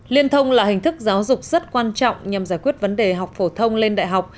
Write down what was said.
liên thông là hình thức giáo dục rất quan trọng nhằm giải quyết vấn đề học phổ thông lên đại học